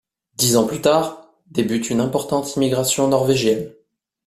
Dix ans plus tard, débute une importante immigration norvégienne.